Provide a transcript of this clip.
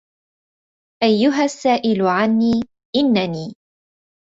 أيها السائل عني إنني